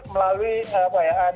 melalui apa ya